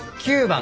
９番？